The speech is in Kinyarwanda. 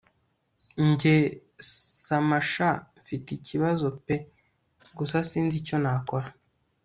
Njye Sama sha mfite ikibazo pe gusa sinzi icyo nakora